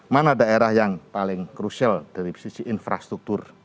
mana daerah yang paling krusial dari sisi infrastruktur